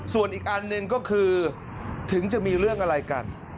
ส่วนอีกอันหนึ่งก็คือถึงจะมีเรื่องอะไรกัน